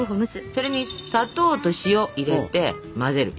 それに砂糖と塩入れて混ぜる。